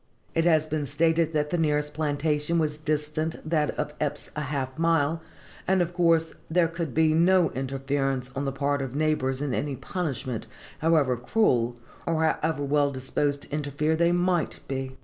It has been stated that the nearest plantation was distant from that of Eppes a half mile, and of course there could be no interference on the part of neighbors in any punishment, however cruel, or how ever well disposed to interfere they might be.